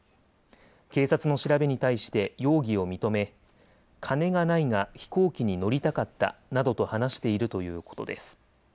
警察の調べに対して容疑を認め金がないが飛行機に乗りたかったなどと話しているということです。